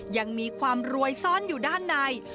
ยังมีความรวยซ่อนอยู่ด้านใน